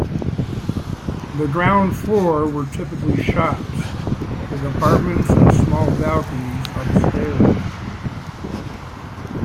The ground floor were typically shops, with apartments and small balconies upstairs.